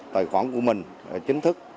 tài khoản của mình chính thức